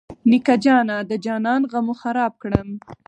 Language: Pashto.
نیکه جانه د جانان غمو خراب کړم.